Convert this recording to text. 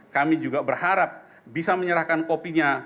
kami juga berharap bisa menyerahkan kopinya